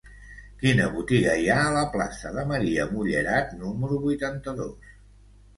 Quina botiga hi ha a la plaça de Maria Mullerat número vuitanta-dos?